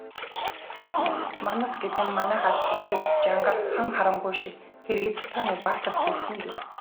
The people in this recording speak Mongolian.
Манас гэдэг нь манайхаар Гэсэр, Жангар, Хан Харангуй шиг Киргизстаны баатарлаг туульсын дүр.